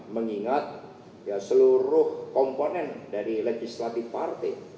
mengingat seluruh komponen dari legislatif partai